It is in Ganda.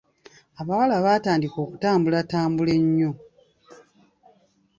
Abawala baatandika okutambulatambula ennyo.